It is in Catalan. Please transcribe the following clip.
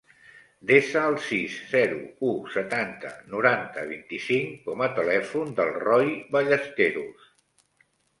Desa el sis, zero, u, setanta, noranta, vint-i-cinc com a telèfon del Roi Ballesteros.